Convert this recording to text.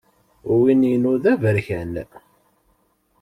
Win-inu d aberkan!